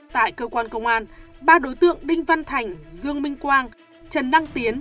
tại cơ quan công an ba đối tượng đinh văn thành dương minh quang trần đăng tiến